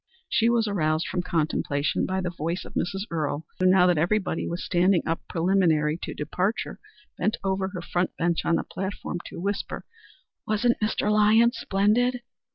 She was aroused from contemplation by the voice of Mrs. Earle, who, now that everybody was standing up preliminary to departure, bent over her front bench on the platform to whisper, "Wasn't Mr. Lyons splendid?"